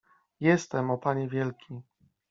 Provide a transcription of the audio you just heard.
— Jestem, o panie wielki.